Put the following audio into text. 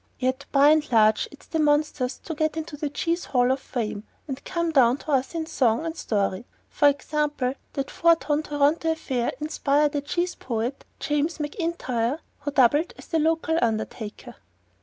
Yet by and large it's the monsters that get into the Cheese Hall of Fame and come down to us in song and story. For example, that four ton Toronto affair inspired a cheese poet, James McIntyre, who doubled as the local undertaker.